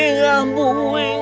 panggul kucang kembar ini